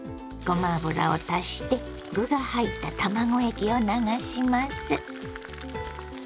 ごま油を足して具が入った卵液を流します。